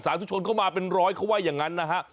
ทุกคนเข้ามาเป็นร้อยเขาว่าอย่างนั้นนะฮะ